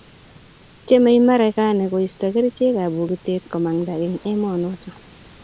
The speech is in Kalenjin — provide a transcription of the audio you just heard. tiemei Marekani koisto kerichekab bokitee komanda eng emonoto